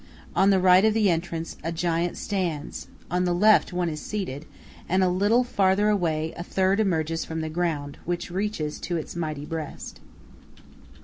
On the right of the entrance a giant stands, on the left one is seated, and a little farther away a third emerges from the ground, which reaches to its mighty breast.